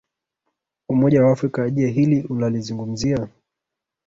umoja wa afrika je hili unalizungumzia